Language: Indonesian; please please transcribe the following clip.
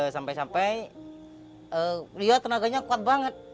sampai sampai dia tenaganya kuat banget